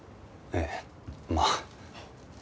ええまあ。